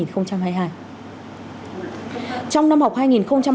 trong năm học hai nghìn hai mươi hai nghìn hai mươi